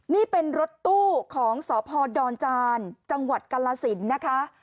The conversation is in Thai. นี่เป็นรถตู้ของสพดอนจานจังหวัดกาลสินนะคะ